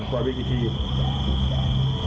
ต่อยไปที่ที่